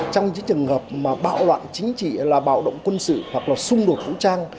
trong những trường hợp mà bạo loạn chính trị là bạo động quân sự hoặc là xung đột vũ trang